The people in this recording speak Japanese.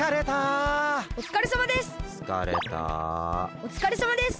おつかれさまです！